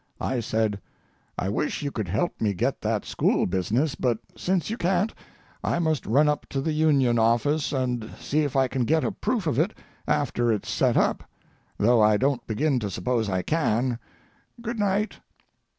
I said: "I wish you could help me get that school business, but since you can't, I must run up to the Union office and see if I can get a proof of it after it's set up, though I don't begin to suppose I can. Good night."